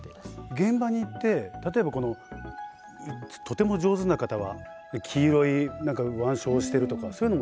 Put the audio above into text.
現場に行って例えばこのとても上手な方は黄色い腕章をしてるとかそういうのもないんですか？